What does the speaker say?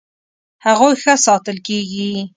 هغوی ښه ساتل کیږي.